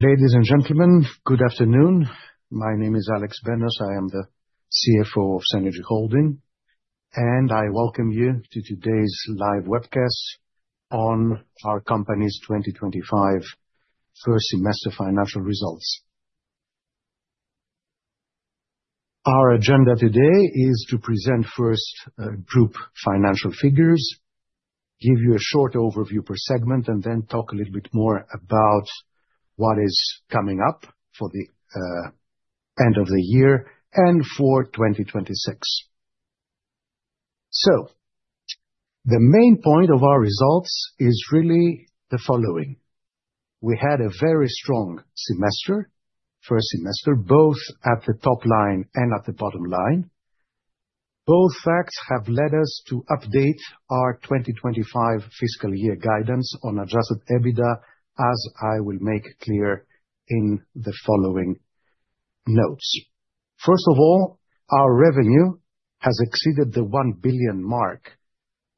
Ladies and gentlemen, good afternoon. My name is Alexandros Benos. I am the CFO of Cenergy Holdings, and I welcome you to today's live webcast on our company's 2025 first semester financial results. Our agenda today is to present first group financial figures, give you a short overview per segment, and then talk a little bit more about what is coming up for the end of the year and for 2026. So the main point of our results is really the following: we had a very strong first semester, both at the top line and at the bottom line. Both facts have led us to update our 2025 fiscal year guidance on adjusted EBITDA, as I will make clear in the following notes. First of all, our revenue has exceeded the 1 billion mark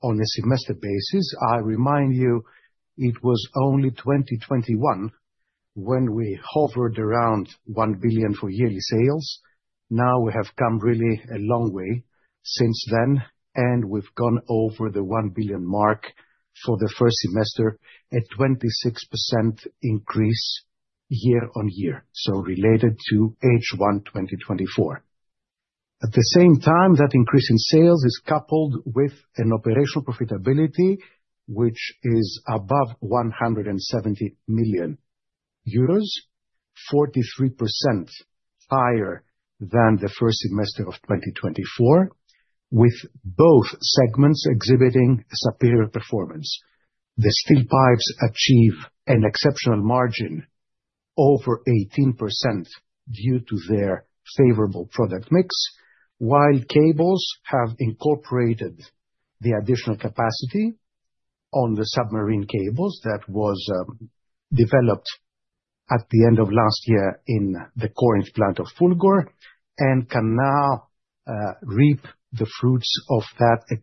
on a semester basis. I remind you, it was only 2021 when we hovered around 1 billion for yearly sales. Now we have come really a long way since then, and we've gone over the 1 billion mark for the first semester, a 26% increase year-on-year, so related to H1 2024. At the same time, that increase in sales is coupled with an operational profitability which is above 170 million euros, 43% higher than the first semester of 2024, with both segments exhibiting superior performance. The steel pipes achieve an exceptional margin over 18% due to their favorable product mix, while cables have incorporated the additional capacity on the submarine cables that was developed at the end of last year in the Corinth plant of Fulgor and can now reap the fruits of that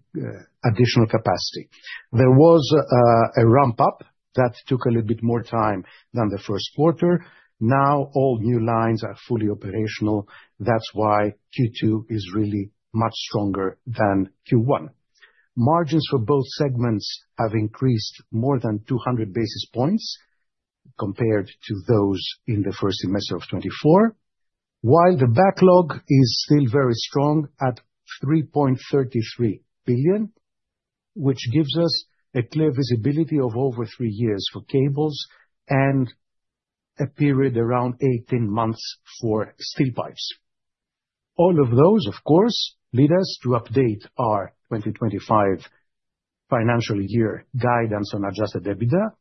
additional capacity. There was a ramp-up that took a little bit more time than the first quarter. Now all new lines are fully operational. That's why Q2 is really much stronger than Q1. Margins for both segments have increased more than 200 basis points compared to those in the first semester of 2024, while the backlog is still very strong at 3.33 billion, which gives us a clear visibility of over three years for cables and a period around 18 months for steel pipes. All of those, of course, lead us to update our 2025 financial year guidance on adjusted EBITDA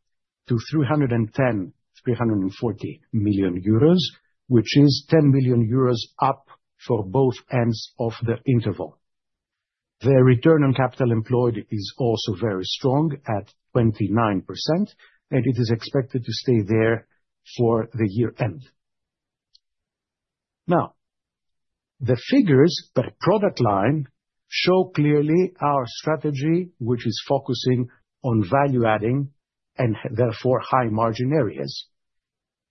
to 310 million-340 million euros, which is 10 million euros up for both ends of the interval. The return on capital employed is also very strong at 29%, and it is expected to stay there for the year end. Now, the figures per product line show clearly our strategy, which is focusing on value-adding and therefore high-margin areas.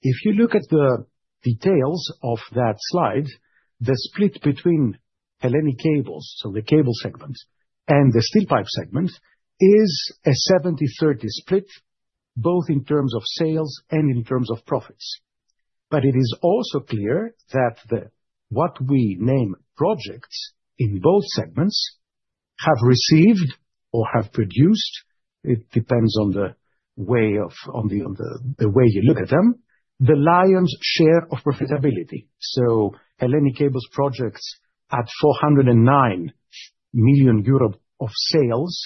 If you look at the details of that slide, the split between Hellenic Cables, so the cable segment, and the steel pipe segment is a 70/30 split, both in terms of sales and in terms of profits. But it is also clear that what we name projects in both segments have received or have produced (it depends on the way you look at them) the lion's share of profitability. So Hellenic Cables projects at 409 million euro of sales,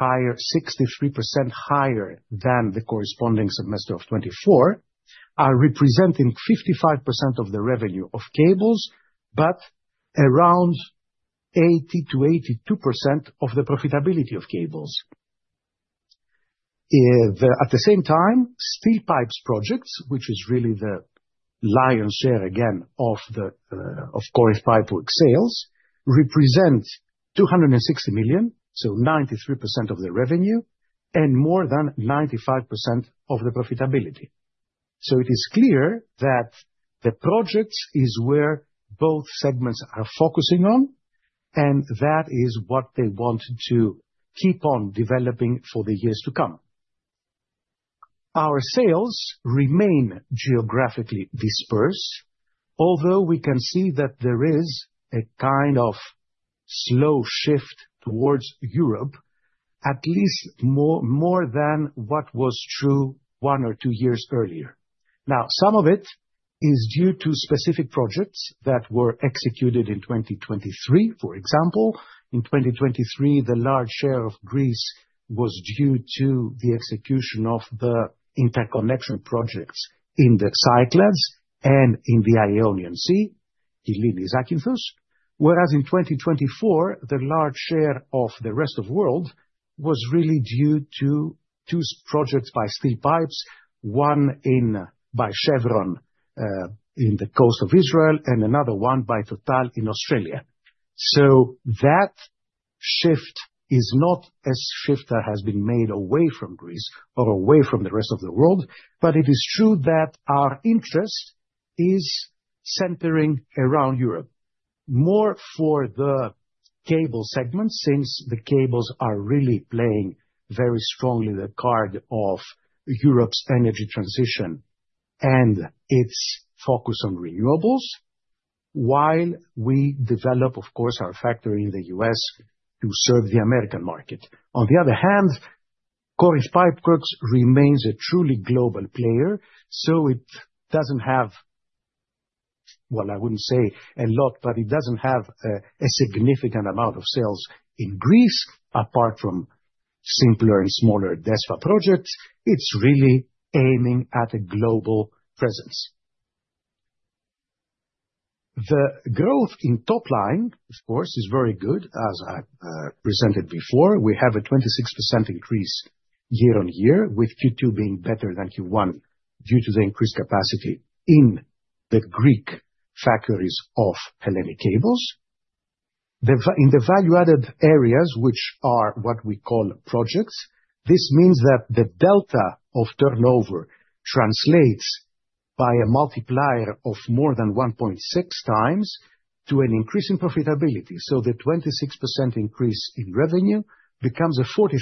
63% higher than the corresponding semester of 2024, are representing 55% of the revenue of cables, but around 80%-82% of the profitability of cables. At the same time, steel pipes projects, which is really the lion's share again of the Corinth Pipeworks sales, represent 260 million, so 93% of the revenue and more than 95% of the profitability. So it is clear that the projects is where both segments are focusing on, and that is what they want to keep on developing for the years to come. Our sales remain geographically dispersed, although we can see that there is a kind of slow shift towards Europe, at least more than what was true one or two years earlier. Now, some of it is due to specific projects that were executed in 2023. For example, in 2023, the large share of Greece was due to the execution of the interconnection projects in the Cyclades and in the Ionian Sea, Kyllini-Zakynthos, whereas in 2024, the large share of the rest of the world was really due to two projects by steel pipes, one by Chevron in the coast of Israel and another one by Total in Australia. That shift is not a shift that has been made away from Greece or away from the rest of the world, but it is true that our interest is centering around Europe, more for the cable segment, since the cables are really playing very strongly the card of Europe's energy transition and its focus on renewables, while we develop, of course, our factory in the U.S. to serve the American market. On the other hand, Corinth Pipeworks remains a truly global player, so it doesn't have, well, I wouldn't say a lot, but it doesn't have a significant amount of sales in Greece, apart from simpler and smaller DESFA projects. It's really aiming at a global presence. The growth in top line, of course, is very good, as I presented before. We have a 26% increase year-on-year, with Q2 being better than Q1 due to the increased capacity in the Greek factories of Hellenic Cables. In the value-added areas, which are what we call projects, this means that the delta of turnover translates by a multiplier of more than 1.6x to an increase in profitability. So the 26% increase in revenue becomes a 43%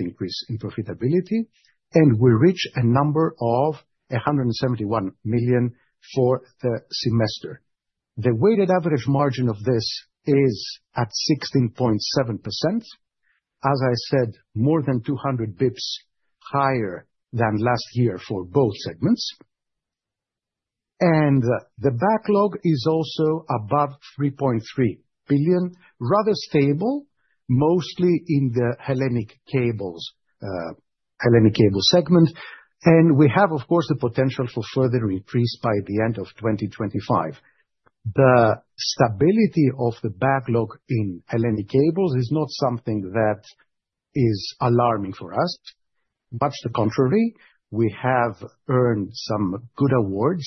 increase in profitability, and we reach a number of 171 million for the semester. The weighted average margin of this is at 16.7%, as I said, more than 200 basis points higher than last year for both segments. And the backlog is also above 3.3 billion, rather stable, mostly in the Hellenic Cables segment. And we have, of course, the potential for further increase by the end of 2025. The stability of the backlog in Hellenic Cables is not something that is alarming for us. Much the contrary, we have earned some good awards,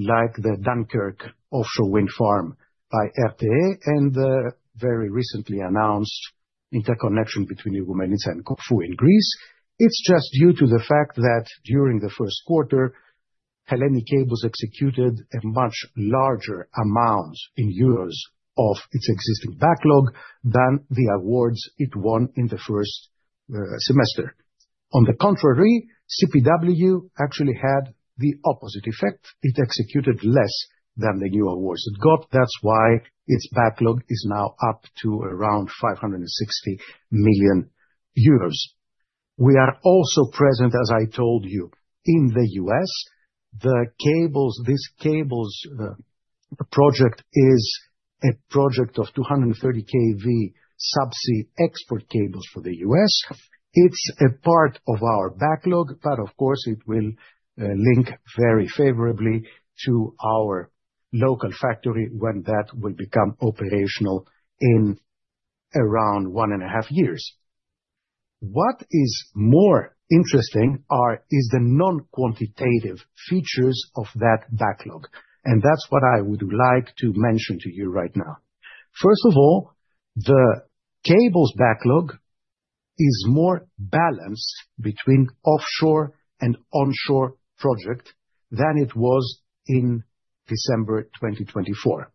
like the Dunkirk Offshore Wind Farm by RTE and the very recently announced interconnection between the Mainland and Corfu in Greece. It's just due to the fact that during the first quarter, Hellenic Cables executed a much larger amount in euros of its existing backlog than the awards it won in the first semester. On the contrary, CPW actually had the opposite effect. It executed less than the new awards it got. That's why its backlog is now up to around 560 million euros. We are also present, as I told you, in the U.S. This cables project is a project of 230 kV subsea export cables for the U.S. It's a part of our backlog, but of course, it will link very favorably to our local factory when that will become operational in around one and a half years. What is more interesting is the non-quantitative features of that backlog, and that's what I would like to mention to you right now. First of all, the cables backlog is more balanced between offshore and onshore projects than it was in December 2024.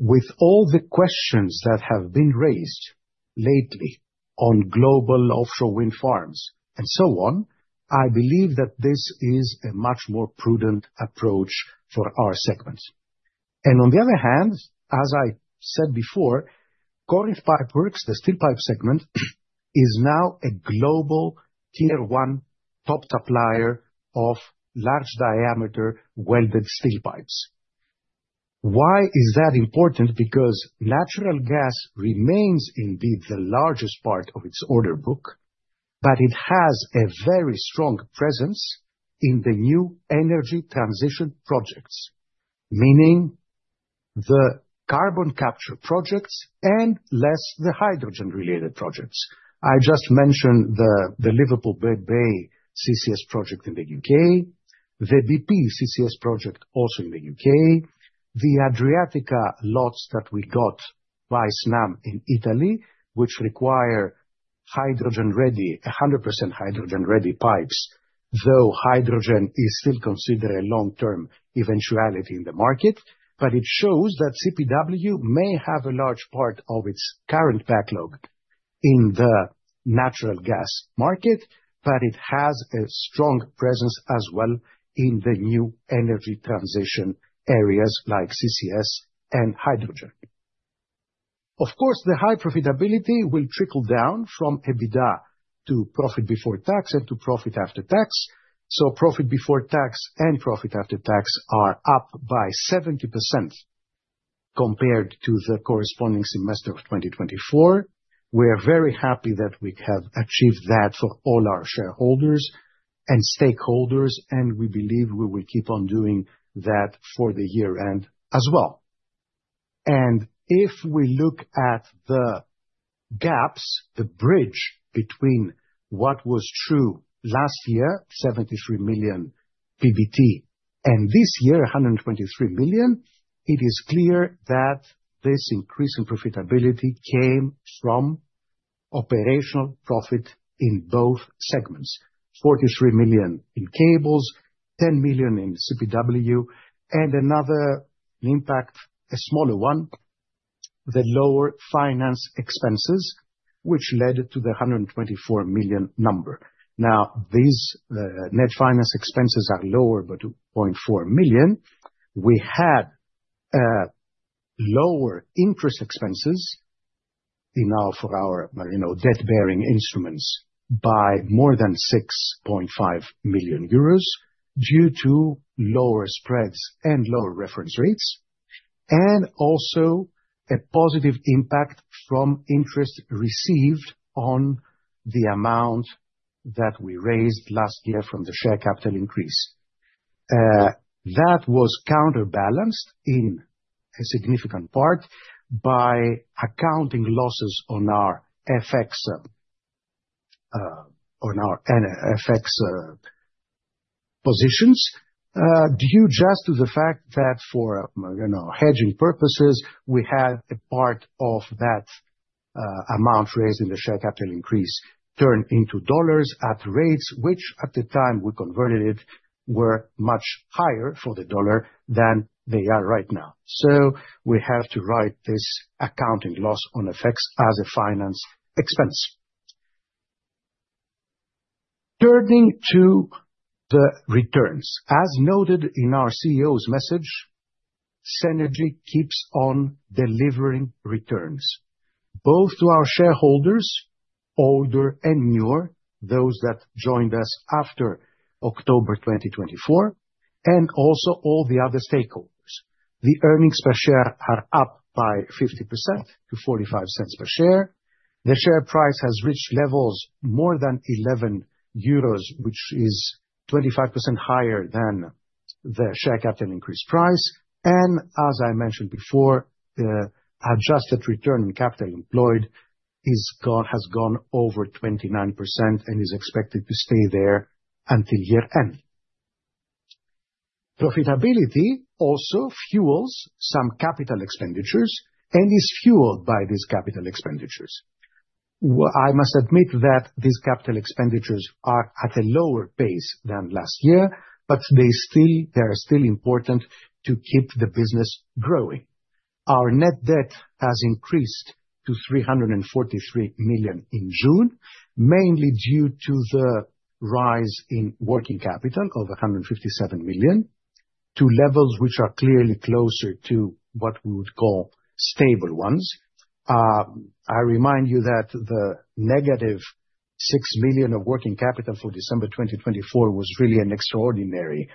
With all the questions that have been raised lately on global offshore wind farms and so on, I believe that this is a much more prudent approach for our segment, and on the other hand, as I said before, Corinth Pipeworks, the steel pipe segment, is now a global Tier 1 top supplier of large diameter welded steel pipes. Why is that important? Because natural gas remains indeed the largest part of its order book, but it has a very strong presence in the new energy transition projects, meaning the carbon capture projects and less the hydrogen-related projects. I just mentioned the Liverpool Bay CCS project in the U.K., the BP CCS project also in the U.K., the Adriatica lots that we got by Snam in Italy, which require 100% hydrogen-ready pipes, though hydrogen is still considered a long-term eventuality in the market. But it shows that CPW may have a large part of its current backlog in the natural gas market, but it has a strong presence as well in the new energy transition areas like CCS and hydrogen. Of course, the high profitability will trickle down from EBITDA to profit before tax and to profit after tax. So profit before tax and profit after tax are up by 70% compared to the corresponding semester of 2024. We are very happy that we have achieved that for all our shareholders and stakeholders, and we believe we will keep on doing that for the year end as well. If we look at the gaps, the bridge between what was true last year, 73 million PBT, and this year, 123 million, it is clear that this increase in profitability came from operational profit in both segments: 43 million in cables, 10 million in CPW, and another impact, a smaller one, the lower finance expenses, which led to the 124 million number. Now, these net finance expenses are lower by 2.4 million. We had lower interest expenses for our debt-bearing instruments by more than 6.5 million euros due to lower spreads and lower reference rates, and also a positive impact from interest received on the amount that we raised last year from the share capital increase. That was counterbalanced in a significant part by accounting losses on our FX positions, due just to the fact that for hedging purposes, we had a part of that amount raised in the share capital increase turned into dollars at rates, which at the time we converted it were much higher for the dollar than they are right now. So we have to write this accounting loss on FX as a finance expense. Turning to the returns, as noted in our CEO's message, Cenergy keeps on delivering returns, both to our shareholders, older and newer, those that joined us after October 2024, and also all the other stakeholders. The earnings per share are up by 50% to 0.45 per share. The share price has reached levels more than 11 euros, which is 25% higher than the share capital increase price. As I mentioned before, the adjusted return on capital employed has gone over 29% and is expected to stay there until year end. Profitability also fuels some capital expenditures and is fueled by these capital expenditures. I must admit that these capital expenditures are at a lower pace than last year, but they are still important to keep the business growing. Our net debt has increased to 343 million in June, mainly due to the rise in working capital of 157 million to levels which are clearly closer to what we would call stable ones. I remind you that the -6 million of working capital for December 2024 was really an extraordinary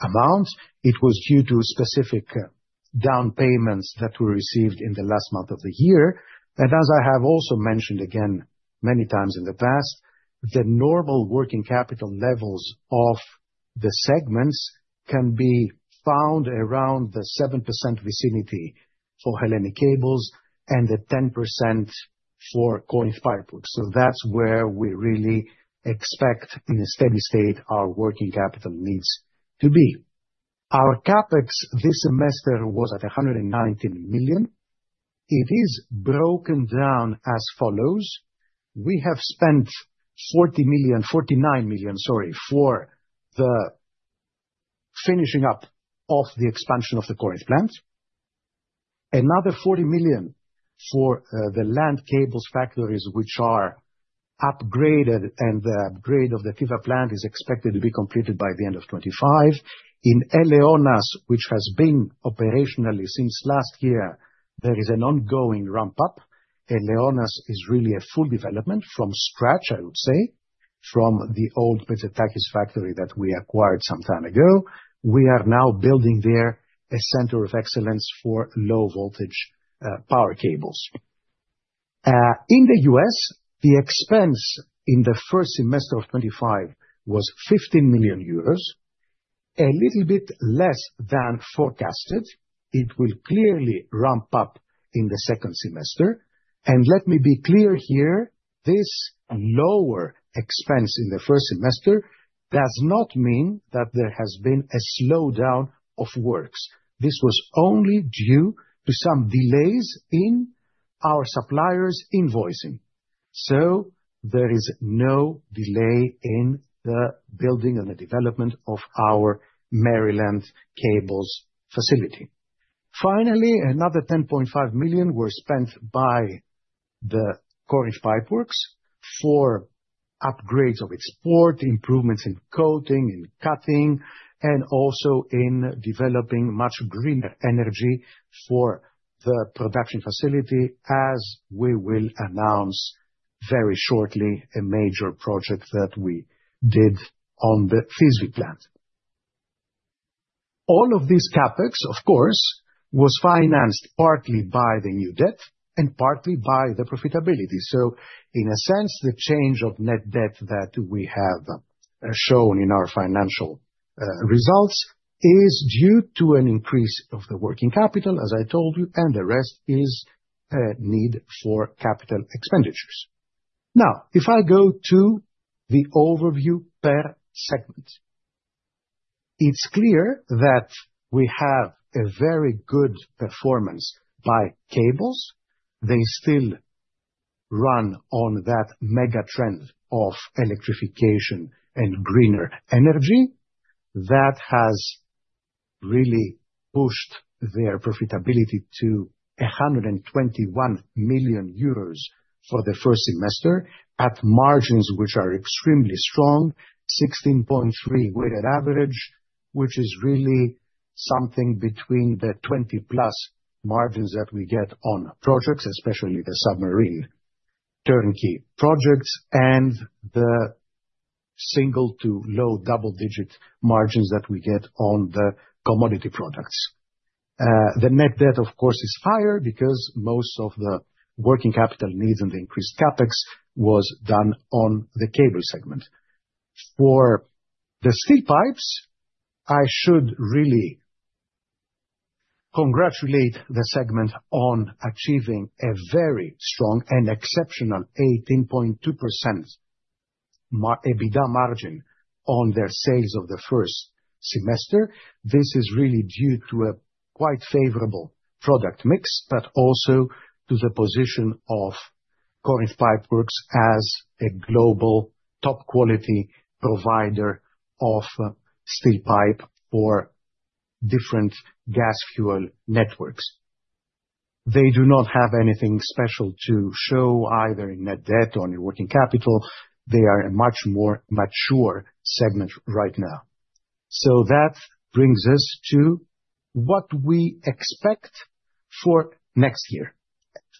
amount. It was due to specific down payments that were received in the last month of the year. As I have also mentioned again many times in the past, the normal working capital levels of the segments can be found around the 7% vicinity for Hellenic Cables and the 10% for Corinth Pipeworks. So that's where we really expect in a steady state our working capital needs to be. Our CapEx this semester was at 119 million. It is broken down as follows. We have spent 40 million, 49 million, sorry, for the finishing up of the expansion of the Corinth plant. Another 40 million for the land cables factories, which are upgraded, and the upgrade of the Thiva plant is expected to be completed by the end of 2025. In Eleonas, which has been operational since last year, there is an ongoing ramp-up. Eleonas is really a full development from scratch, I would say, from the old Petzetakis factory that we acquired some time ago. We are now building there a center of excellence for low voltage power cables. In the U.S., the expense in the first semester of 2025 was 15 million euros, a little bit less than forecasted. It will clearly ramp up in the second semester. And let me be clear here, this lower expense in the first semester does not mean that there has been a slowdown of works. This was only due to some delays in our suppliers' invoicing. So there is no delay in the building and the development of our Maryland cables facility. Finally, another 10.5 million were spent by the Corinth Pipeworks for upgrades of its port, improvements in coating, in cutting, and also in developing much greener energy for the production facility, as we will announce very shortly a major project that we did on the Thisvi plant. All of this CapEx, of course, was financed partly by the new debt and partly by the profitability. So in a sense, the change of net debt that we have shown in our financial results is due to an increase of the working capital, as I told you, and the rest is a need for capital expenditures. Now, if I go to the overview per segment, it's clear that we have a very good performance by cables. They still run on that mega trend of electrification and greener energy that has really pushed their profitability to 121 million euros for the first semester at margins which are extremely strong, 16.3 weighted average, which is really something between the 20+ margins that we get on projects, especially the submarine turnkey projects, and the single to low double-digit margins that we get on the commodity products. The net debt, of course, is higher because most of the working capital needs and the increased CapEx was done on the cable segment. For the steel pipes, I should really congratulate the segment on achieving a very strong and exceptional 18.2% EBITDA margin on their sales of the first semester. This is really due to a quite favorable product mix, but also to the position of Corinth Pipeworks as a global top quality provider of steel pipe for different gas fuel networks. They do not have anything special to show either in net debt or in working capital. They are a much more mature segment right now. So that brings us to what we expect for next year,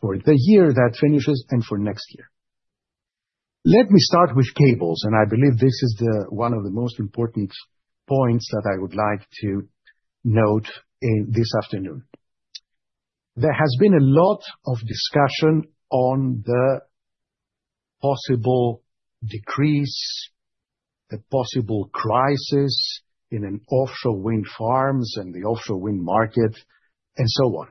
for the year that finishes and for next year. Let me start with cables, and I believe this is one of the most important points that I would like to note in this afternoon. There has been a lot of discussion on the possible decrease, the possible crisis in offshore wind farms and the offshore wind market, and so on.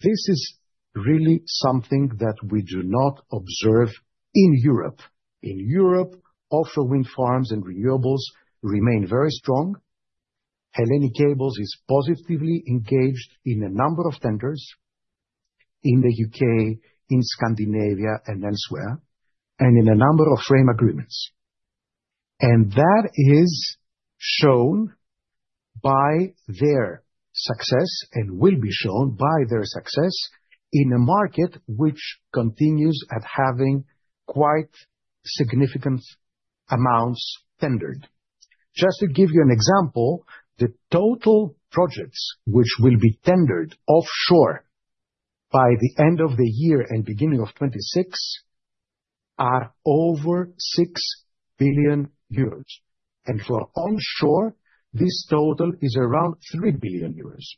This is really something that we do not observe in Europe. In Europe, offshore wind farms and renewables remain very strong. Hellenic Cables is positively engaged in a number of tenders in the U.K., in Scandinavia, and elsewhere, and in a number of frame agreements, and that is shown by their success and will be shown by their success in a market which continues at having quite significant amounts tendered. Just to give you an example, the total projects which will be tendered offshore by the end of the year and beginning of 2026 are over 6 billion euros. For onshore, this total is around 3 billion euros.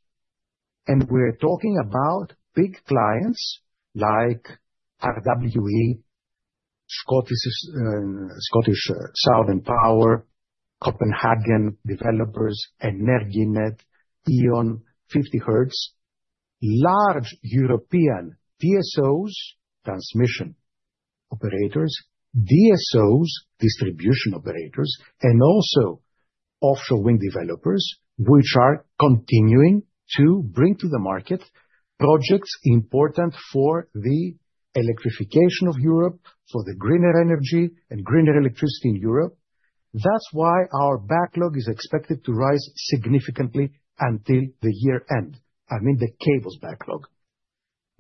We're talking about big clients like RWE, Scottish Southern Power, Copenhagen Developers, Energinet, E.ON, 50Hertz, large European DSOs, transmission operators, DSOs, distribution operators, and also offshore wind developers, which are continuing to bring to the market projects important for the electrification of Europe, for the greener energy and greener electricity in Europe. That's why our backlog is expected to rise significantly until the year end. I mean, the cables backlog.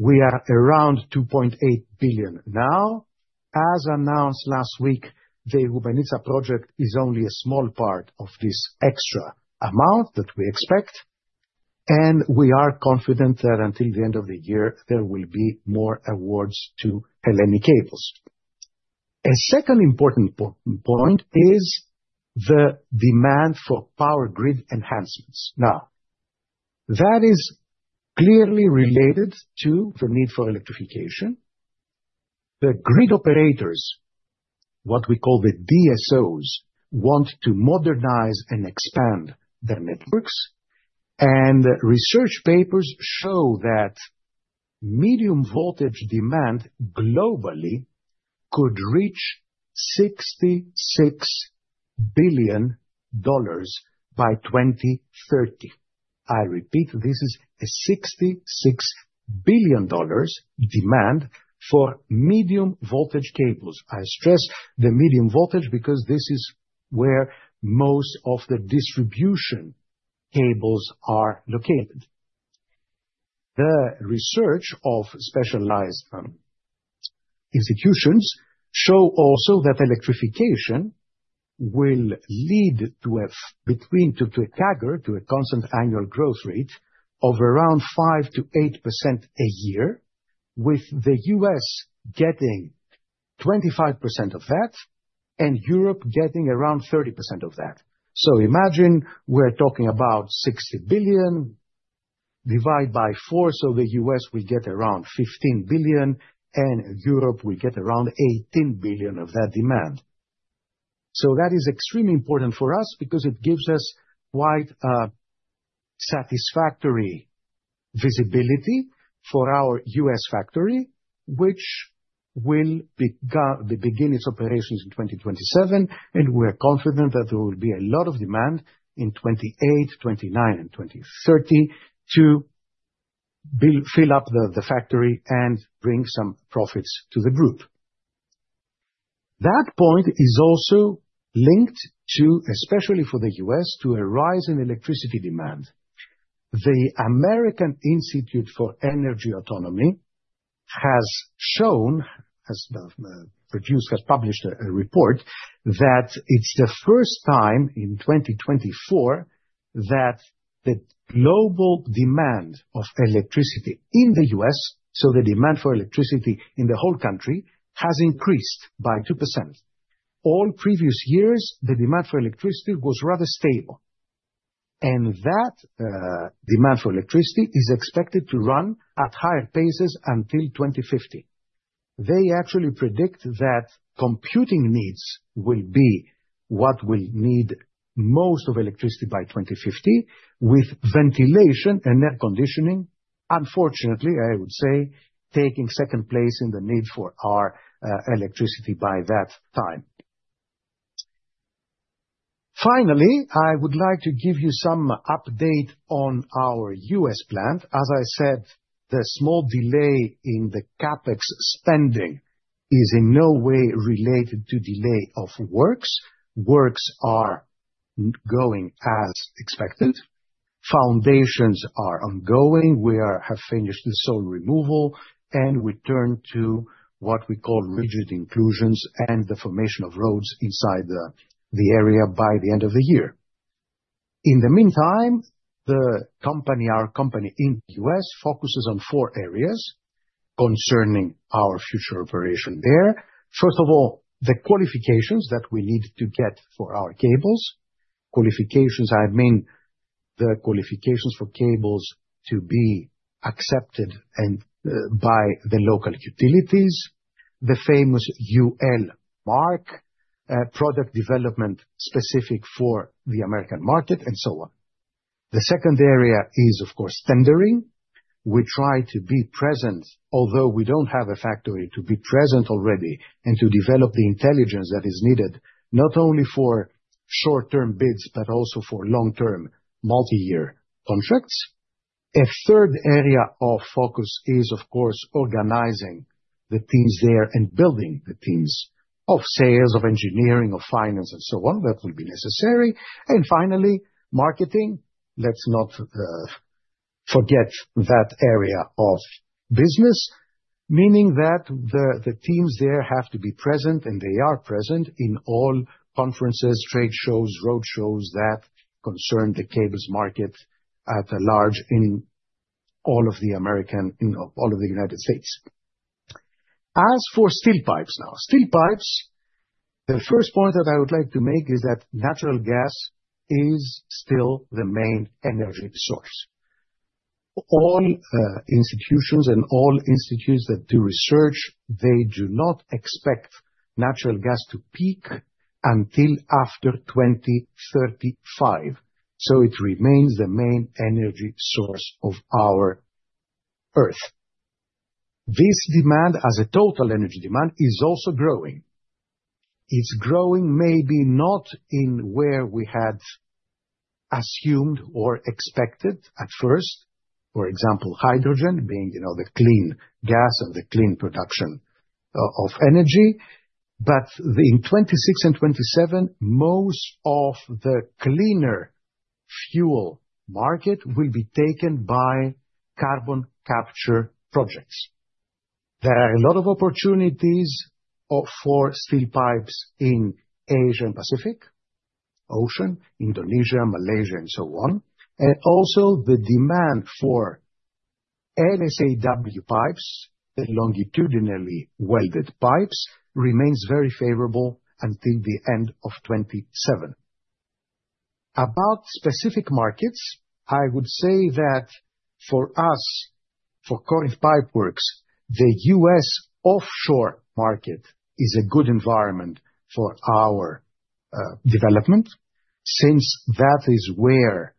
We are around 2.8 billion now. As announced last week, the Rubenitza project is only a small part of this extra amount that we expect. We are confident that until the end of the year, there will be more awards to Hellenic Cables. A second important point is the demand for power grid enhancements. Now, that is clearly related to the need for electrification. The grid operators, what we call the DSOs, want to modernize and expand their networks. Research papers show that medium voltage demand globally could reach $66 billion by 2030. I repeat, this is a $66 billion demand for medium voltage cables. I stress the medium voltage because this is where most of the distribution cables are located. The research of specialized institutions shows also that electrification will lead to a CAGR, a constant annual growth rate of around 5%-8% a year, with the U.S. getting 25% of that and Europe getting around 30% of that. Imagine we're talking about $60 billion divided by 4, so the U.S. will get around $15 billion and Europe will get around $18 billion of that demand. So that is extremely important for us because it gives us quite a satisfactory visibility for our U.S. factory, which will begin its operations in 2027. And we're confident that there will be a lot of demand in 2028, 2029, and 2030 to fill up the factory and bring some profits to the group. That point is also linked to, especially for the U.S., to a rise in electricity demand. The American Institute for Energy Autonomy has published a report that it's the first time in 2024 that the global demand of electricity in the U.S., so the demand for electricity in the whole country, has increased by 2%. All previous years, the demand for electricity was rather stable. And that demand for electricity is expected to run at higher paces until 2050. They actually predict that computing needs will be what will need most of electricity by 2050, with ventilation and air conditioning, unfortunately, I would say, taking second place in the need for our electricity by that time. Finally, I would like to give you some update on our U.S. plant. As I said, the small delay in the CapEx spending is in no way related to delay of works. Works are going as expected. Foundations are ongoing. We have finished the soil removal, and we turn to what we call rigid inclusions and the formation of roads inside the area by the end of the year. In the meantime, the company, our company in the U.S., focuses on four areas concerning our future operation there. First of all, the qualifications that we need to get for our cables. Qualifications, I mean the qualifications for cables to be accepted by the local utilities, the famous UL mark, product development specific for the American market, and so on. The second area is, of course, tendering. We try to be present, although we don't have a factory to be present already and to develop the intelligence that is needed not only for short-term bids, but also for long-term multi-year contracts. A third area of focus is, of course, organizing the teams there and building the teams of sales, of engineering, of finance, and so on that will be necessary. And finally, marketing. Let's not forget that area of business, meaning that the teams there have to be present, and they are present in all conferences, trade shows, road shows that concern the cables market at large in all of the American, in all of the United States. As for steel pipes now, steel pipes, the first point that I would like to make is that natural gas is still the main energy source. All institutions and all institutes that do research, they do not expect natural gas to peak until after 2035. So it remains the main energy source of our Earth. This demand as a total energy demand is also growing. It's growing maybe not in where we had assumed or expected at first, for example, hydrogen being the clean gas and the clean production of energy. But in 2026 and 2027, most of the cleaner fuel market will be taken by carbon capture projects. There are a lot of opportunities for steel pipes in Asia Pacific Ocean, Indonesia, Malaysia, and so on, and also the demand for LSAW pipes, the longitudinally welded pipes, remains very favorable until the end of 2027. About specific markets, I would say that for us, for Corinth Pipeworks, the U.S. offshore market is a good environment for our development since that is where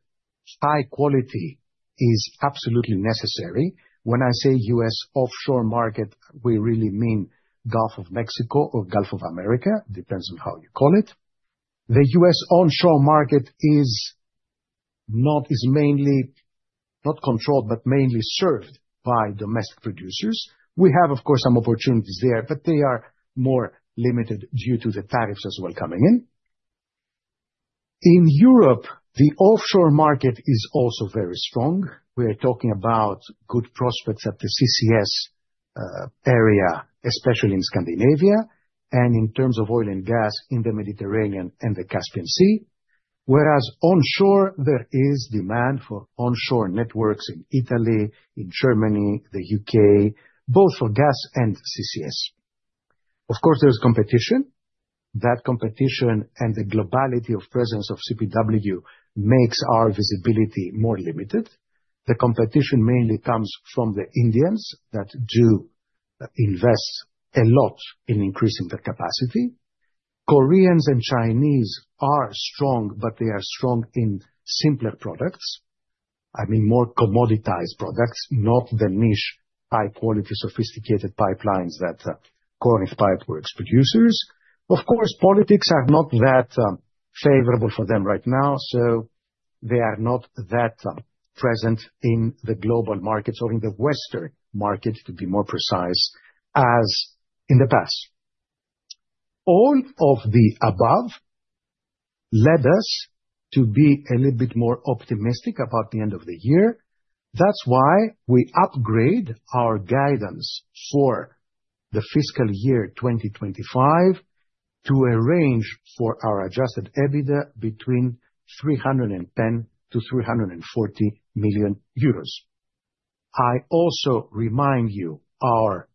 high quality is absolutely necessary. When I say U.S. offshore market, we really mean Gulf of Mexico or Gulf of America, depends on how you call it. The U.S. onshore market is not mainly not controlled, but mainly served by domestic producers. We have, of course, some opportunities there, but they are more limited due to the tariffs as well coming in. In Europe, the offshore market is also very strong. We are talking about good prospects at the CCS area, especially in Scandinavia, and in terms of oil and gas in the Mediterranean and the Caspian Sea. Whereas onshore, there is demand for onshore networks in Italy, in Germany, the U.K., both for gas and CCS. Of course, there's competition. That competition and the globality of presence of CPW makes our visibility more limited. The competition mainly comes from the Indians that do invest a lot in increasing their capacity. Koreans and Chinese are strong, but they are strong in simpler products. I mean, more commoditized products, not the niche, high-quality, sophisticated pipelines that Corinth Pipeworks produces. Of course, politics are not that favorable for them right now, so they are not that present in the global markets or in the Western market, to be more precise, as in the past. All of the above led us to be a little bit more optimistic about the end of the year. That's why we upgrade our guidance for the fiscal year 2025 to a range for our adjusted EBITDA between 310 million-340 million euros. I also remind you of our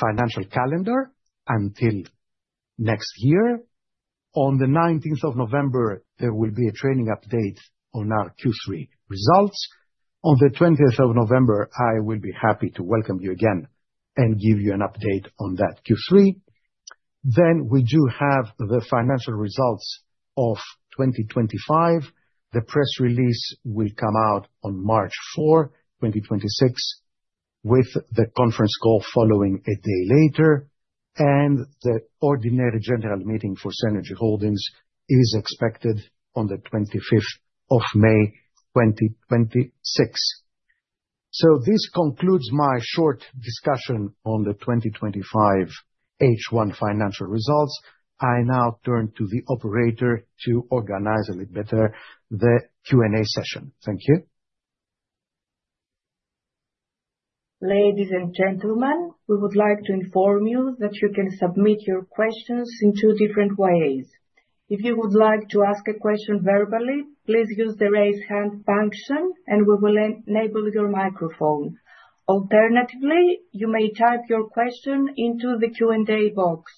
financial calendar until next year. On the 19th of November, there will be a training update on our Q3 results. On the 20th of November, I will be happy to welcome you again and give you an update on that Q3. Then we do have the financial results of 2025. The press release will come out on March 4th, 2026, with the conference call following a day later. And the ordinary general meeting for Cenergy Holdings is expected on the 25th of May, 2026. So this concludes my short discussion on the 2025 H1 financial results. I now turn to the operator to organize a little better the Q&A session. Thank you. Ladies and gentlemen, we would like to inform you that you can submit your questions in two different ways. If you would like to ask a question verbally, please use the raise hand function, and we will enable your microphone. Alternatively, you may type your question into the Q&A box.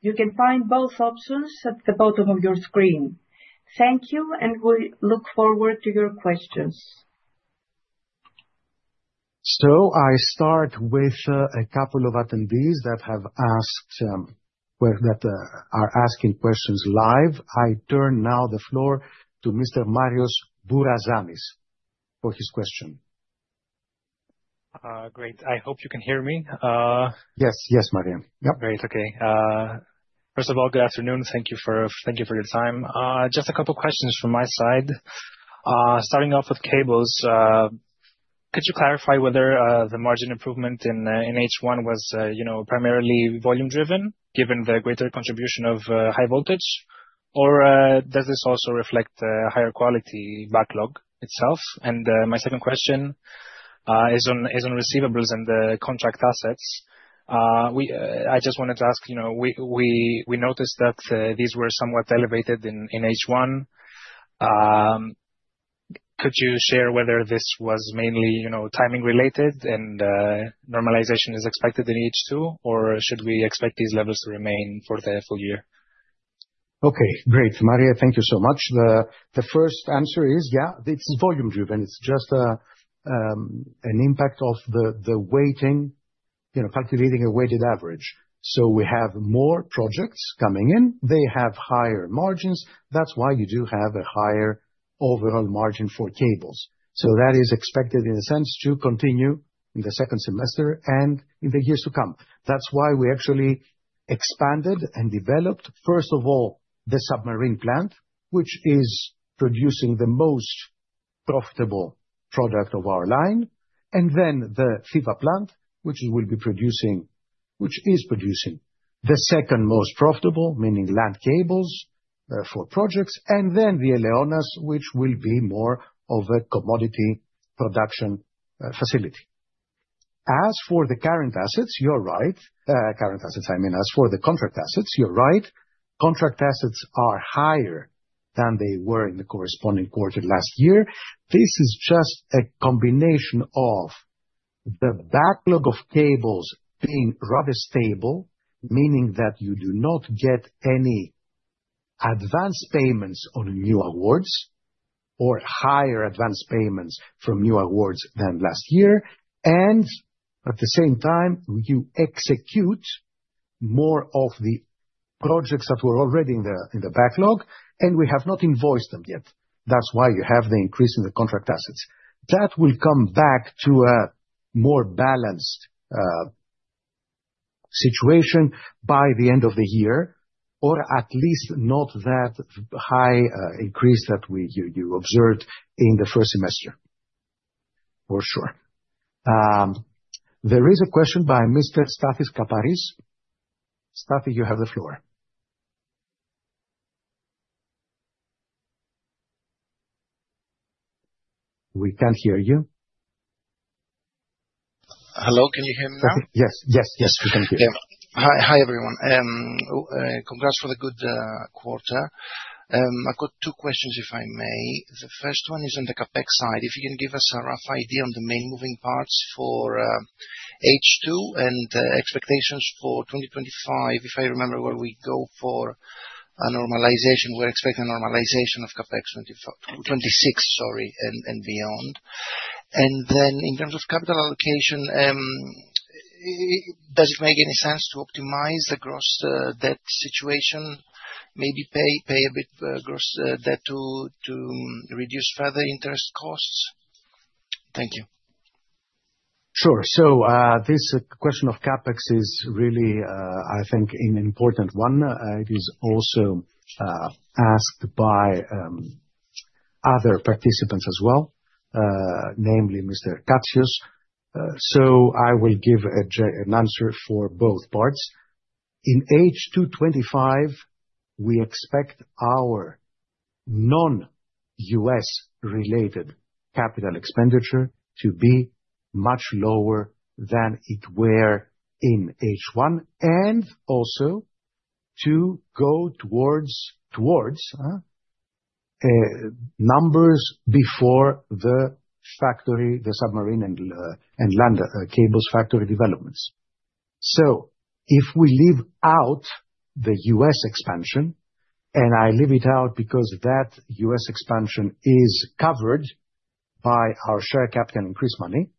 You can find both options at the bottom of your screen. Thank you, and we look forward to your questions. So I start with a couple of attendees that have asked that are asking questions live. I turn now the floor to Mr. Marios Bourazanis for his question. Great. I hope you can hear me. Yes, yes, Marios. Yep. Great. Okay. First of all, good afternoon. Thank you for your time. Just a couple of questions from my side. Starting off with cables, could you clarify whether the margin improvement in H1 was primarily volume-driven given the greater contribution of high voltage? Or does this also reflect a higher quality backlog itself? And my second question is on receivables and the contract assets. I just wanted to ask, we noticed that these were somewhat elevated in H1. Could you share whether this was mainly timing-related and normalization is expected in H2, or should we expect these levels to remain for the full year? Okay, great. Marios, thank you so much. The first answer is, yeah, it's volume-driven. It's just an impact of the weighting, calculating a weighted average. So we have more projects coming in. They have higher margins. That's why you do have a higher overall margin for cables. So that is expected, in a sense, to continue in the second semester and in the years to come. That's why we actually expanded and developed, first of all, the submarine plant, which is producing the most profitable product of our line. And then the Fulgor plant, which will be producing, which is producing the second most profitable, meaning land cables for projects. And then the Eleonas, which will be more of a commodity production facility. As for the current assets, you're right. Current assets, I mean, as for the contract assets, you're right. Contract assets are higher than they were in the corresponding quarter last year. This is just a combination of the backlog of cables being rather stable, meaning that you do not get any advance payments on new awards or higher advance payments from new awards than last year. And at the same time, you execute more of the projects that were already in the backlog, and we have not invoiced them yet. That's why you have the increase in the contract assets. That will come back to a more balanced situation by the end of the year, or at least not that high increase that you observed in the first semester, for sure. There is a question by Mr. Stathis Kaparis. Stathis, you have the floor. We can't hear you. Hello, can you hear me now? Yes, yes, yes, we can hear you. Hi, everyone. Congrats for the good quarter. I've got two questions, if I may. The first one is on the CapEx side. If you can give us a rough idea on the main moving parts for H2 and expectations for 2025, if I remember where we go for a normalization, we're expecting a normalization of CapEx 2026, sorry, and beyond. And then in terms of capital allocation, does it make any sense to optimize the gross debt situation, maybe pay a bit of gross debt to reduce further interest costs? Thank you. Sure. So this question of CapEx is really, I think, an important one. It is also asked by other participants as well, namely Mr. Katsios. So I will give an answer for both parts. In H2 2025, we expect our non-U.S.-related capital expenditure to be much lower than it were in H1 and also to go towards numbers before the factory, the submarine and land cables factory developments. So if we leave out the U.S. expansion, and I leave it out because that U.S. expansion is covered by our share capital increase money,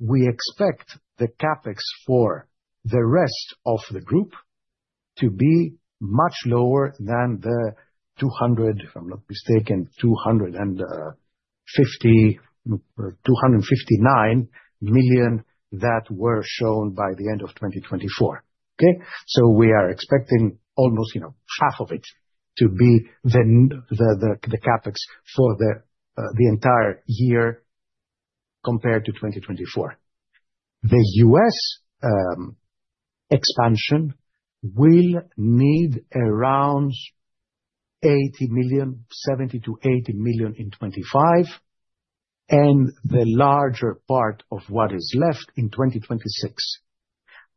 we expect the CapEx for the rest of the group to be much lower than the 200 million, if I'm not mistaken, 259 million that were shown by the end of 2024. Okay? So we are expecting almost half of it to be the CapEx for the entire year compared to 2024. The U.S. expansion will need around EUR 70 million-EUR 80 million in 2025, and the larger part of what is left in 2026.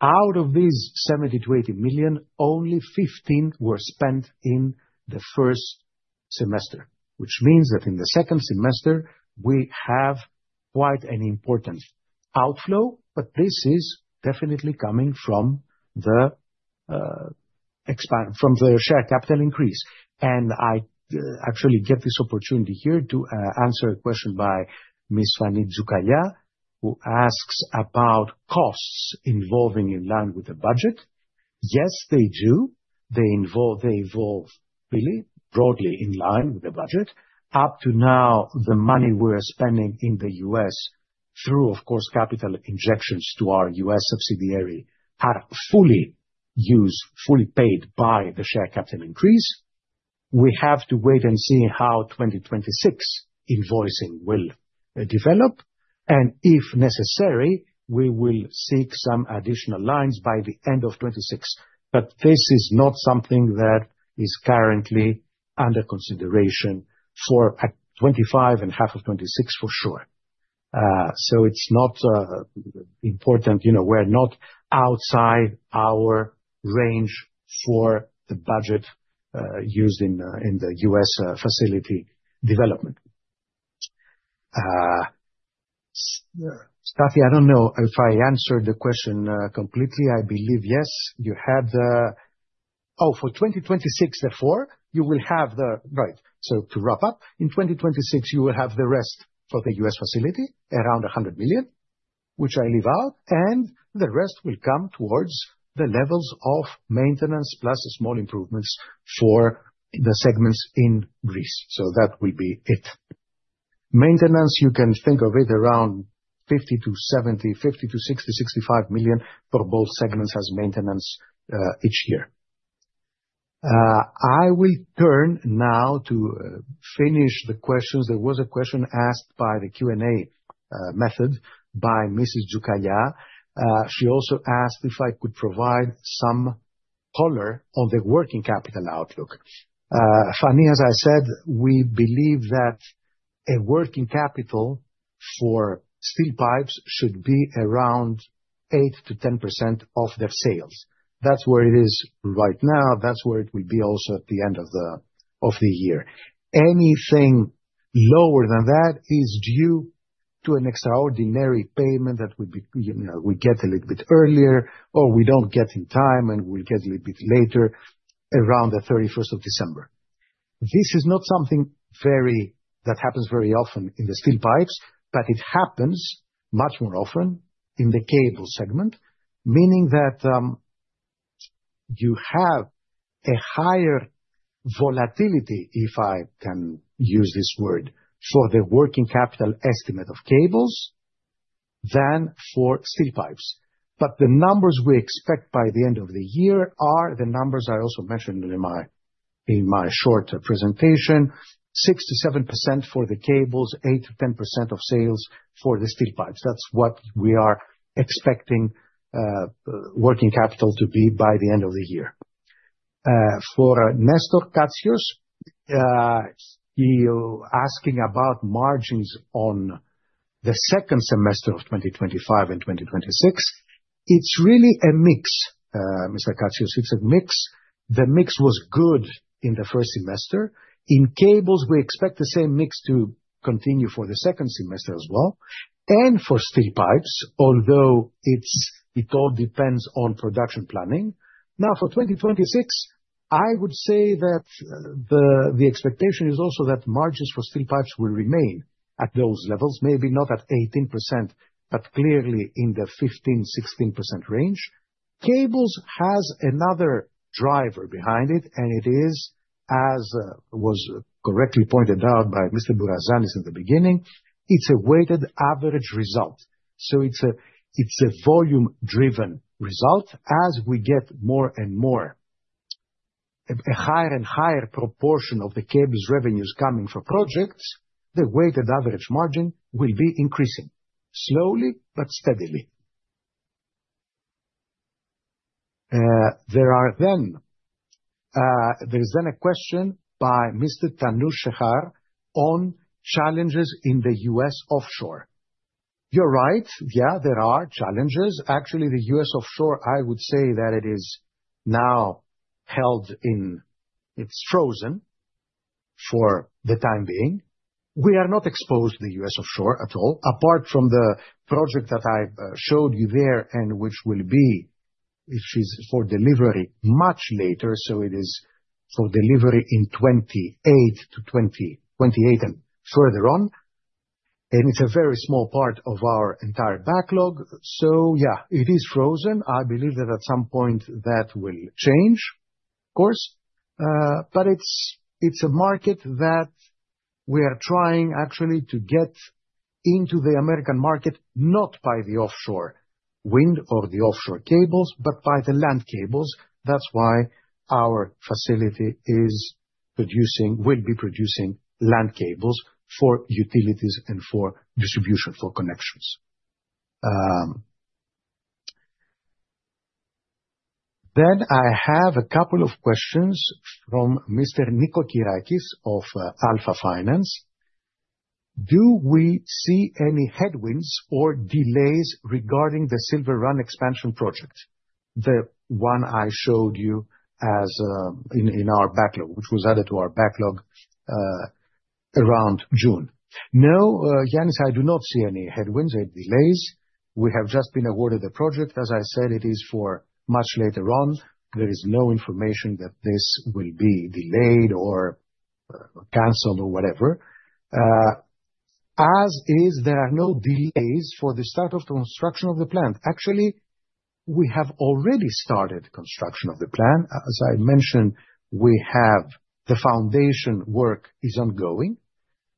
Out of these 70 million-80 million, only 15 million were spent in the first semester, which means that in the second semester, we have quite an important outflow, but this is definitely coming from the share capital increase, and I actually get this opportunity here to answer a question by Ms. Fani Tzioukalia, who asks about costs involved in line with the budget. Yes, they do. They evolve really broadly in line with the budget. Up to now, the money we're spending in the U.S. through, of course, capital injections to our U.S. subsidiary are fully used, fully paid by the share capital increase. We have to wait and see how 2026 invoicing will develop, and if necessary, we will seek some additional lines by the end of 2026. But this is not something that is currently under consideration for 2025 and half of 2026, for sure. So it's not important. We're not outside our range for the budget used in the U.S. facility development. Stathis, I don't know if I answered the question completely. I believe yes. You had the, oh, for 2026, therefore, you will have the, right. So to wrap up, in 2026, you will have the rest for the US facility, around 100 million, which I leave out. And the rest will come towards the levels of maintenance plus small improvements for the segments in Greece. So that will be it. Maintenance, you can think of it around 50 million-70 million, 50 million-60 million, 65 million for both segments as maintenance each year. I will turn now to finish the questions. There was a question asked by the Q&A method by Mrs. Tzioukalia. She also asked if I could provide some color on the working capital outlook. Fani, as I said, we believe that a working capital for steel pipes should be around 8%-10% of their sales. That's where it is right now. That's where it will be also at the end of the year. Anything lower than that is due to an extraordinary payment that we get a little bit earlier, or we don't get in time, and we'll get a little bit later around the 31st of December. This is not something that happens very often in the steel pipes, but it happens much more often in the cable segment, meaning that you have a higher volatility, if I can use this word, for the working capital estimate of cables than for steel pipes. But the numbers we expect by the end of the year are the numbers I also mentioned in my short presentation: 6%-7% for the cables, 8%-10% of sales for the steel pipes. That's what we are expecting working capital to be by the end of the year. For Nestor Katsios, he's asking about margins on the second semester of 2025 and 2026. It's really a mix, Mr. Katsios. It's a mix. The mix was good in the first semester. In cables, we expect the same mix to continue for the second semester as well. And for steel pipes, although it all depends on production planning. Now, for 2026, I would say that the expectation is also that margins for steel pipes will remain at those levels, maybe not at 18%, but clearly in the 15%-16% range. Cables has another driver behind it, and it is, as was correctly pointed out by Mr. Bourazanis in the beginning, it's a weighted average result. So it's a volume-driven result. As we get more and more a higher and higher proportion of the cables revenues coming for projects, the weighted average margin will be increasing slowly, but steadily. There is then a question by Mr. Tanu Sekhar on challenges in the U.S. offshore. You're right. Yeah, there are challenges. Actually, the U.S. offshore, I would say that it is now frozen for the time being. We are not exposed to the U.S. offshore at all, apart from the project that I showed you there and which will be, it's for delivery, much later. So it is for delivery in 2028 to 2028 and further on. And it's a very small part of our entire backlog. So yeah, it is frozen. I believe that at some point that will change, of course. But it's a market that we are trying actually to get into the American market, not by the offshore wind or the offshore cables, but by the land cables. That's why our facility will be producing land cables for utilities and for distribution for connections. Then I have a couple of questions from Mr. Nikos Kyriakos of Alpha Finance. Do we see any headwinds or delays regarding the Silver Run Expansion Project, the one I showed you in our backlog, which was added to our backlog around June? No, Yanis, I do not see any headwinds or delays. We have just been awarded the project. As I said, it is for much later on. There is no information that this will be delayed or canceled or whatever. As is, there are no delays for the start of the construction of the plant. Actually, we have already started construction of the plant. As I mentioned, we have the foundation work is ongoing.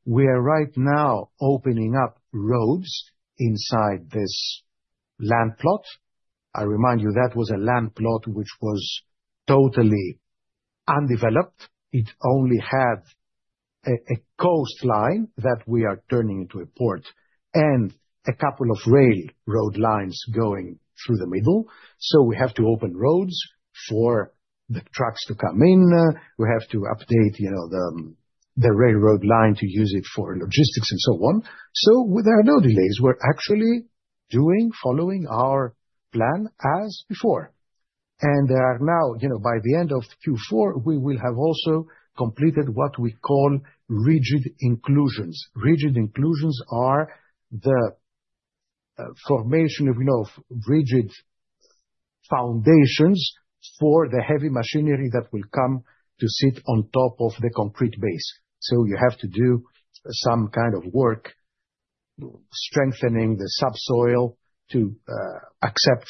We are right now opening up roads inside this land plot. I remind you that was a land plot which was totally undeveloped. It only had a coastline that we are turning into a port and a couple of railroad lines going through the middle. So we have to open roads for the trucks to come in. We have to update the railroad line to use it for logistics and so on. So there are no delays. We're actually following our plan as before, and there are now, by the end of Q4, we will have also completed what we call rigid inclusions. Rigid inclusions are the formation of rigid foundations for the heavy machinery that will come to sit on top of the concrete base. So you have to do some kind of work strengthening the subsoil to accept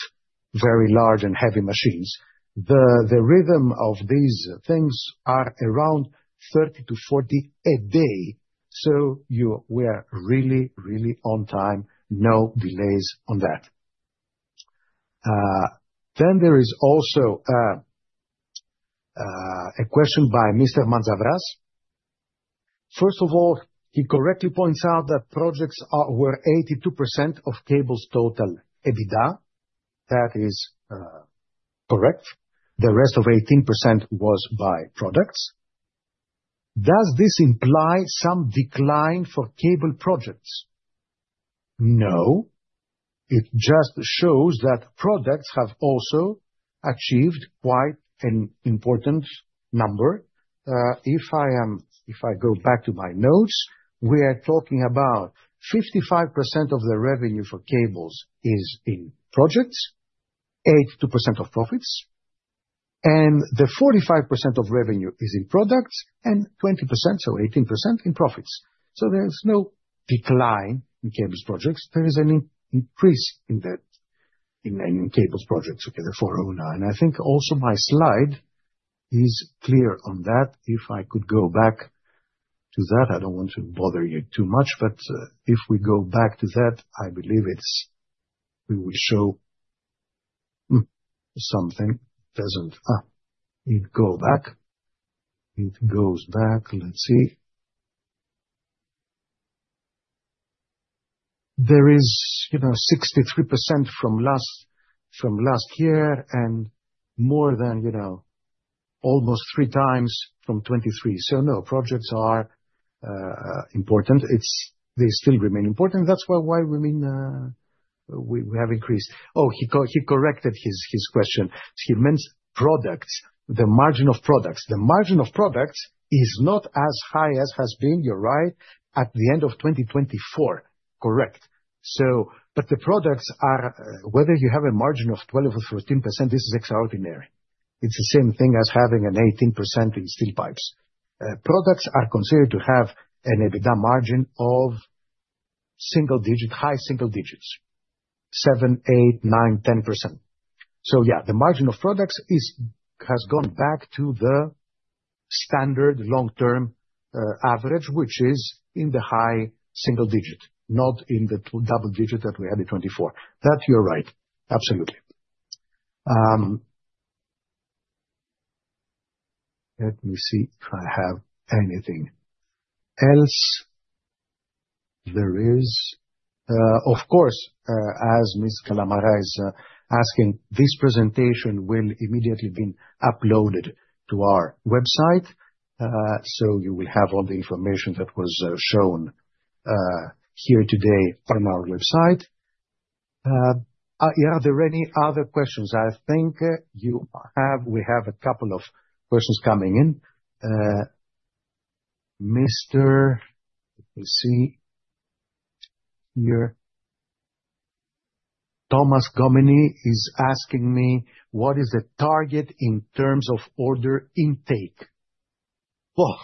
very large and heavy machines. The rhythm of these things are around 30-40 a day. So we are really, really on time. No delays on that. Then there is also a question by Mr. Mantzavras. First of all, he correctly points out that projects were 82% of cables' total EBITDA. That is correct. The rest of 18% was by-products. Does this imply some decline for cable projects? No. It just shows that products have also achieved quite an important number. If I go back to my notes, we are talking about 55% of the revenue for cables is in projects, 82% of profits, and the 45% of revenue is in products and 20%, so 18% in profits. So there's no decline in cables projects. There is an increase in cables projects for Oona. And I think also my slide is clear on that. If I could go back to that, I don't want to bother you too much, but if we go back to that, I believe we will show something. It goes back. Let's see. There is 63% from last year and more than almost three times from 2023. So no, projects are important. They still remain important. That's why we have increased. Oh, he corrected his question. He meant products, the margin of products. The margin of products is not as high as has been, you're right, at the end of 2024. Correct. But the products, whether you have a margin of 12% or 13%, this is extraordinary. It's the same thing as having an 18% in steel pipes. Products are considered to have an EBITDA margin of single digit, high single digits, 7%, 8%, 9%, 10%. So yeah, the margin of products has gone back to the standard long-term average, which is in the high single digit, not in the double digit that we had in 2024. That you're right. Absolutely. Let me see if I have anything else. There is, of course, as Ms. Kalamara is asking, this presentation will immediately be uploaded to our website. So you will have all the information that was shown here today on our website. Are there any other questions? I think we have a couple of questions coming in. Mr. Let me see here. Thomas Gomini is asking me, what is the target in terms of order intake? Well,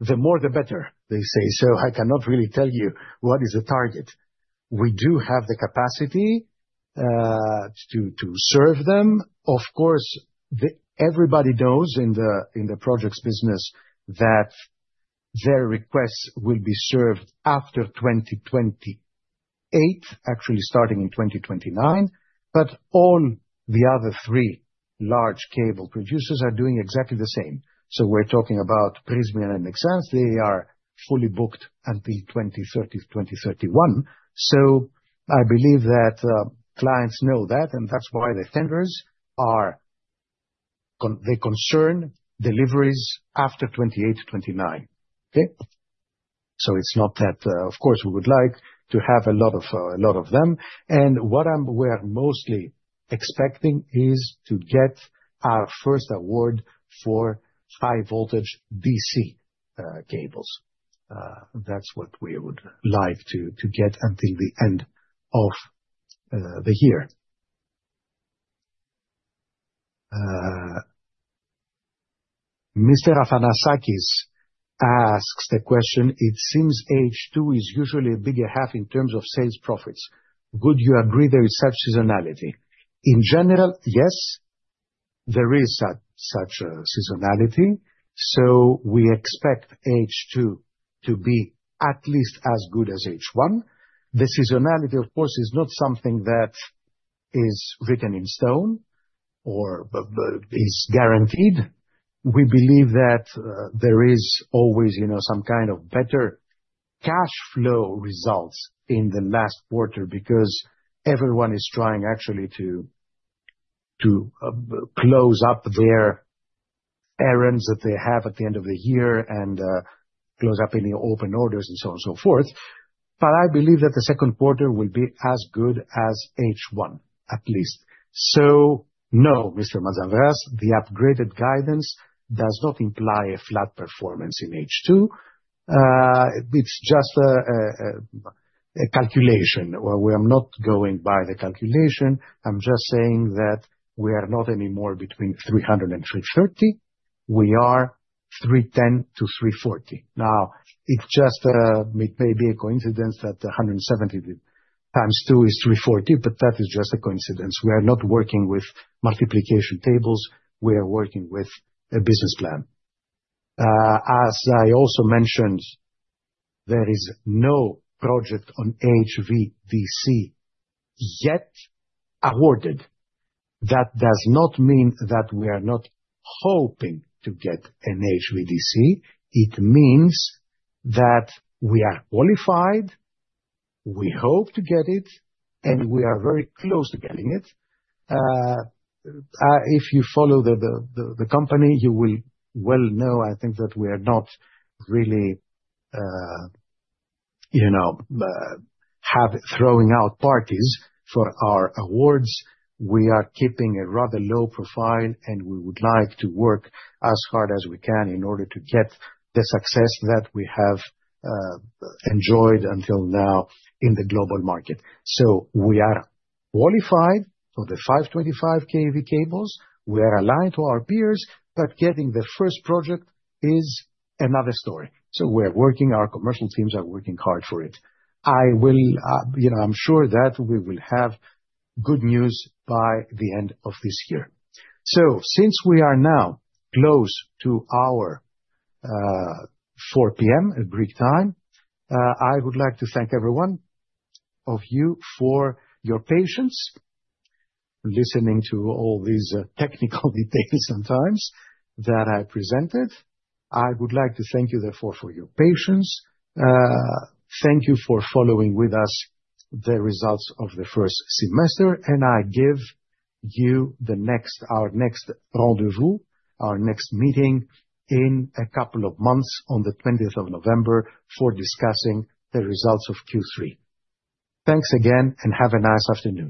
the more the better, they say. So I cannot really tell you what is the target. We do have the capacity to serve them. Of course, everybody knows in the projects business that their requests will be served after 2028, actually starting in 2029. But all the other three large cable producers are doing exactly the same. So we're talking about Prysmian and Nexans. They are fully booked until 2030, 2031. So I believe that clients know that, and that's why the tenders are, they concern deliveries after 2028, 2029. Okay. So it's not that, of course, we would like to have a lot of them. What we are mostly expecting is to get our first award for high voltage DC cables. That's what we would like to get until the end of the year. Mr. Afanasakis asks the question, it seems H2 is usually a bigger half in terms of sales profits. Would you agree there is such seasonality? In general, yes, there is such a seasonality. So we expect H2 to be at least as good as H1. The seasonality, of course, is not something that is written in stone or is guaranteed. We believe that there is always some kind of better cash flow results in the last quarter because everyone is trying actually to close up their year ends that they have at the end of the year and close up any open orders and so on and so forth. But I believe that the second quarter will be as good as H1, at least. So no, Mr. Mantzavras, the upgraded guidance does not imply a flat performance in H2. It's just a calculation. We are not going by the calculation. I'm just saying that we are not anymore between 300 and 330. We are 310-340. Now, it just may be a coincidence that 170 x 2 is 340, but that is just a coincidence. We are not working with multiplication tables. We are working with a business plan. As I also mentioned, there is no project on HVDC yet awarded. That does not mean that we are not hoping to get an HVDC. It means that we are qualified. We hope to get it, and we are very close to getting it. If you follow the company, you will well know, I think, that we are not really throwing out parties for our awards. We are keeping a rather low profile, and we would like to work as hard as we can in order to get the success that we have enjoyed until now in the global market. So we are qualified for the 525 kV cables. We are aligned to our peers, but getting the first project is another story. So we are working. Our commercial teams are working hard for it. I'm sure that we will have good news by the end of this year. So since we are now close to our 4:00 P.M. Greek time, I would like to thank every one of you for your patience listening to all these technical details sometimes that I presented. I would like to thank you, therefore, for your patience. Thank you for following with us the results of the first semester, and I give you our next rendezvous, our next meeting in a couple of months on the 20th of November for discussing the results of Q3. Thanks again, and have a nice afternoon.